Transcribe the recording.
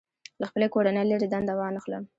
له خپلې کورنۍ لرې دنده وانخلم.